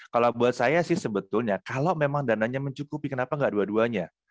kalau buat saya sih sebetulnya kalau memang dananya mencukupi kenapa nggak dua duanya